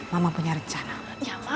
mama punya rencana